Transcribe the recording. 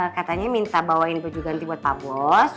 katanya minta bawain baju ganti buat pak bos